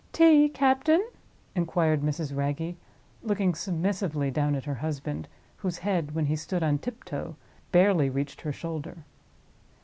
"Tea, captain?" inquired Mrs. Wragge, looking submissively down at her husband, whose head, when he stood on tiptoe, barely reached her shoulder.